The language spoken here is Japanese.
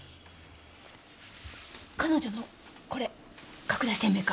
彼女のこれ拡大鮮明化。